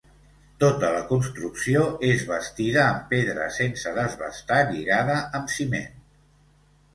Tota la construcció és bastida amb pedra sense desbastar, lligada amb ciment.